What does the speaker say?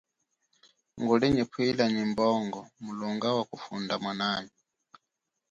Nguli nyi pwila nyi mbongo mulonga wakufunda mwanami.